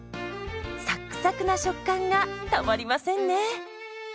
サックサクな食感がたまりませんね。